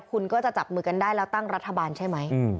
คุณก็จะจับมือกันได้แล้วตั้งรัฐบาลใช่ไหม